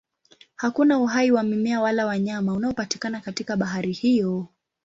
Hakuna uhai wa mimea wala wanyama unaopatikana katika bahari hiyo.